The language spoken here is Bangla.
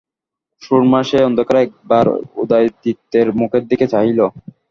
সুরমা সেই অন্ধকারে একবার উদয়াদিত্যের মুখের দিকে চাহিল।